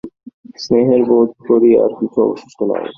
স্নেহের বোধ করি আর কিছু অবশিষ্ট নাই।